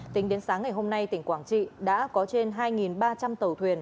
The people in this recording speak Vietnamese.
tính đến sáng ngày hôm nay tỉnh quảng trị đã có trên hai ba trăm linh tàu thuyền